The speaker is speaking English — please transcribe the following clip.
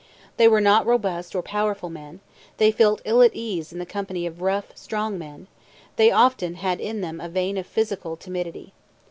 They were not robust or powerful men; they felt ill at ease in the company of rough, strong men; often they had in them a vein of physical timidity.